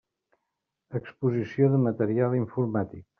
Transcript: Exposició de material informàtic.